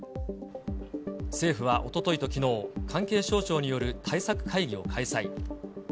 政府はおとといときのう、関係省庁による対策会議を開催。